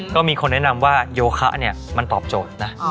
ก็มีคนแนะนำว่าโยคะเนี่ยมันตอบโจทย์นะ